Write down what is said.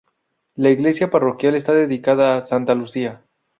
La iglesia parroquial está dedicada a Santa Lucía.